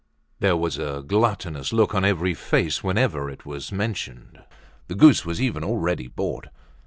There was a gluttonous look on every face whenever it was mentioned. The goose was even already bought.